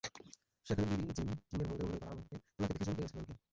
সেখানে Billie Jean কিংয়ের ভূমিকায় অভিনয় করা এমাকে দেখে চমকে গেছেন অনেকে।